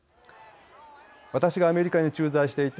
私がアメリカに駐在していた